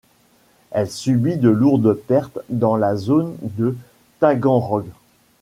Elle subit de lourdes pertes dans la zone de Taganrog.